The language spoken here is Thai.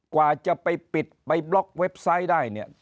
กว่าจะไปปิดไปบล็อกเว็บไซต์ได้เนี่ย